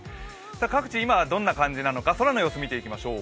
各地、今どんな感じなのか空の様子を見てみましょう。